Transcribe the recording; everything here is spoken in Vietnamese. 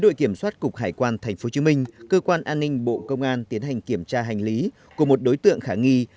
đội kiểm soát cục hải quan tp hcm cơ quan an ninh bộ công an tiến hành kiểm tra hành lý của một đối tượng khả nghi